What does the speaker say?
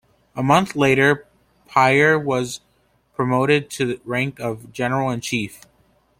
A month later Piar was promoted to the rank of General-in-Chief.